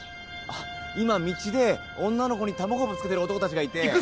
あっ今道で女の子に卵ぶつけてる男たちがいて。